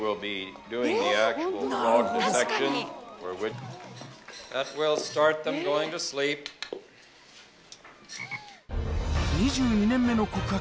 英語『２２年目の告白